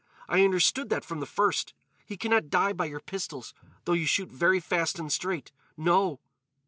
I understood that from the first. He can not die by your pistols, though you shoot very fast and straight. No!"